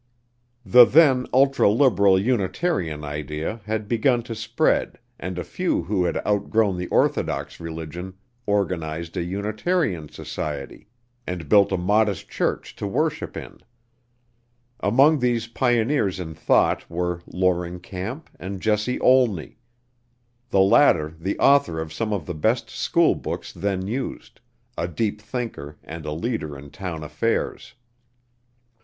The then ultra liberal Unitarian idea had begun to spread and a few who had outgrown the orthodox religion organized a Unitarian Society, and built a modest church to worship in. Among these pioneers in thought were Loring Camp and Jesse Olney, the latter the author of some of the best school books then used; a deep thinker and a leader in town affairs.